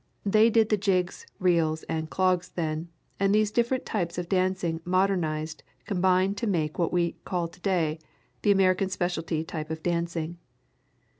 They did the jigs, reels and clogs then, and these different types of dancing modernized combine to make what we today call the American Specialty type of dancing.